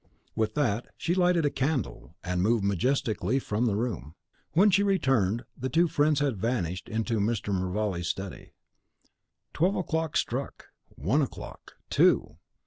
With that she lighted a candle, and moved majestically from the room. When she returned, the two friends had vanished into Mr. Mervale's study. Twelve o'clock struck, one o'clock, two!